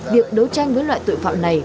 việc đấu tranh với loại tội phạm này